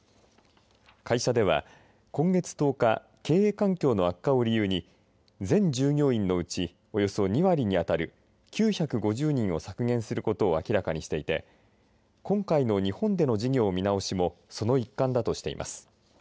会社では今月１０日経営環境の悪化を理由に全従業員のうちおよそ２割に当たる９５０人を削減することを明らかにしていて今回の日本での事業見直しもその一環だとしています。